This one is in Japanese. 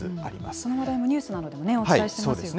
この話題も、ニュースなどでお伝えしてますよね。